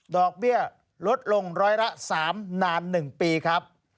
ดอกเบี้ยลดลงร้อยละ๓นาน๑ปีครับ